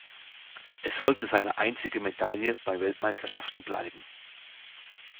Es sollte seine einzige Medaille bei Weltmeisterschaften bleiben.